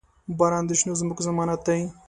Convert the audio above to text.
• باران د شنو ځمکو ضمانت دی.